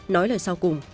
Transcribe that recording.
nói lời sau cùng